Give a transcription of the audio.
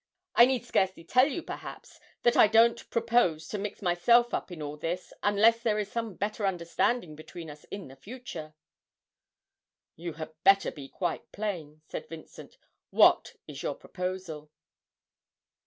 I need scarcely tell you perhaps that I don't propose to mix myself up in all this, unless there is some better understanding between us in the future.' 'You had better be quite plain,' said Vincent. 'What is your proposal?'